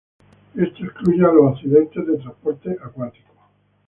Esto excluye a los accidentes de transporte acuático.